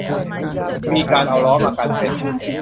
มีการเอาล้อมากันเป็น